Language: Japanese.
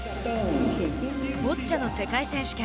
ボッチャの世界選手権。